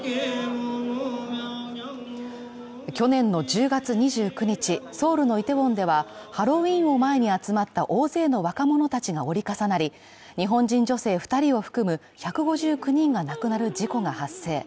去年の１０月２９日、ソウルのイテウォンでは、ハロウィーンを前に集まった大勢の若者たちが折り重なり、日本人女性２人を含む１５９人が亡くなる事故が発生。